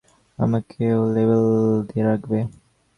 আমাকেও লেবেল দিয়ে রাখবে?